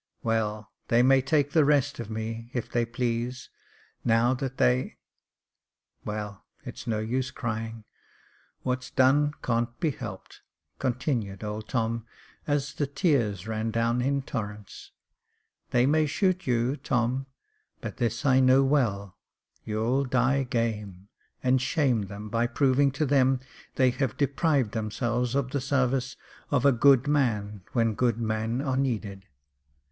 Well, they may take the rest of me, if they please, now that they Well, it's no use crying 5 what's done can't be helped," continued old Tom, as the tears ran down in torrents ;*' they may shoot you, Tom ; but this I know well, you'll die game, and shame them by proving to them they have deprived themselves of the sarvices of a good man when good men are needed.